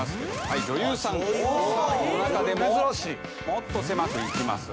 もっと狭くいきます。